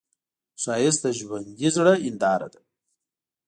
ښایست د ژوندي زړه هنداره ده